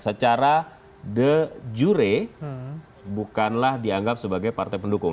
secara de jure bukanlah dianggap sebagai partai pendukung